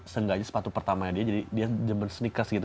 seenggaknya sepatu pertamanya dia jadi dia jember sneakers gitu